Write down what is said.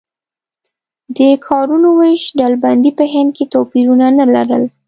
د کارونو وېش ډلبندي په هند کې توپیرونه نه لرل.